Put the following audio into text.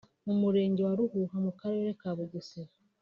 mu murenge wa Ruhuha mu Karere ka Bugesera